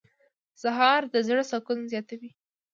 سهار د زړه سکون زیاتوي.